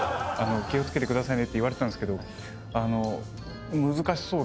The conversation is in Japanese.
「気を付けてくださいね」って言われてたんですけど難しそうです。